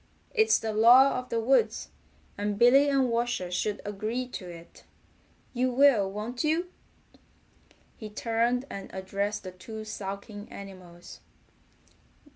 It's the law of the woods, and Billy and Washer should agree to it. You will, won't you?" He turned and addressed the two sulking animals.